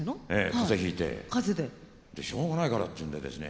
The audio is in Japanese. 風邪で？でしょうがないからっていうんでですね